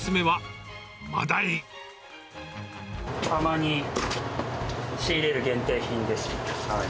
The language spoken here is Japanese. たまに仕入れる限定品です。